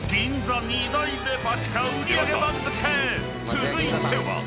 ［続いては］